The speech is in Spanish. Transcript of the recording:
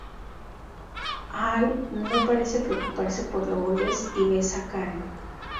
Hal no parece preocuparse por Lourdes y besa a Karen.